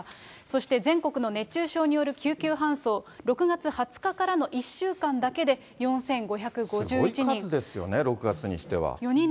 そして全国の熱中症による救急搬送、６月２０日からの１週間だけで４５５１人。